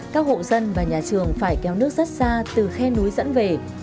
các hộ dân và nhà trường phải kéo nước rất xa từ khe núi dẫn về